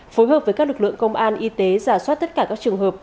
phối hợp với các lực lượng công an y tế giả soát tất cả các trường hợp